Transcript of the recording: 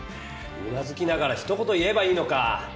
うなずきながらひと言言えばいいのか。